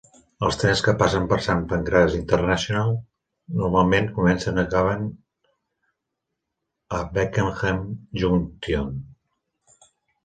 Els trens que passen per Saint Pancras International normalment comencen o acaben a Beckenham Junction.